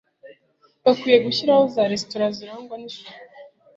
Bakwiriye gushyiraho za resitora zirangwa nisuku